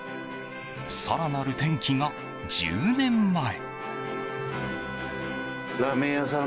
更なる転機が１０年前。